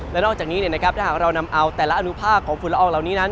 และนอกจากนี้ถ้าหากเรานำเอาแต่ละอนุภาคของฝุ่นละอองเหล่านี้นั้น